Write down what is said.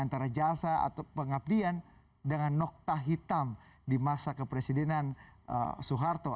antara jasa atau pengabdian dengan nokta hitam di masa kepresidenan soeharto